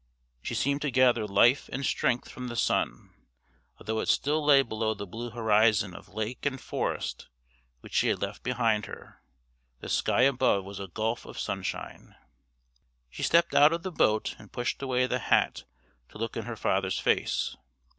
She seemed to gather life and strength from the sun; although it still lay below the blue horizon of lake and forest which she had left behind her, the sky above was a gulf of sunshine. She stepped out of the boat and pushed away the hat to look in her father's face.